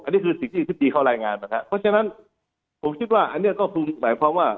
อันนี้คือสิ่งที่อธิบดีเขารายงานนะครับเพราะฉะนั้นผมคิดว่าอันนี้ก็คงหมายความว่า